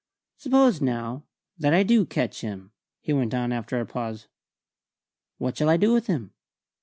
"Suppose, now, that I do catch him," he went on after a pause. "What shall I do with him?